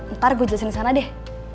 ntar gue jelasin disana deh